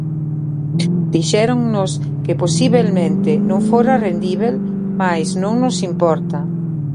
Dixéronnos que posibelmente non fora rendíbel mais non nos importa.